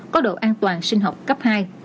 có độ an toàn sinh học cấp hai